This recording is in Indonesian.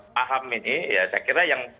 paham ini ya saya kira yang